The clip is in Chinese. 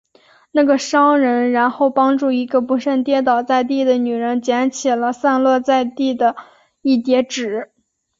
那个商人然后帮助一个不慎跌倒在地的女人捡起了散落在地的一叠纸。